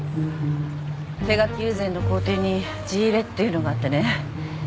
手描き友禅の工程に地入れっていうのがあってね。